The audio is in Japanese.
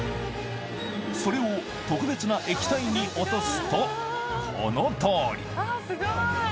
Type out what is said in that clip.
それを特別な液体に落とすと、このとおり。